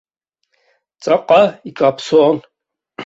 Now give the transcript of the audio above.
Ҵаҟа икаԥсон.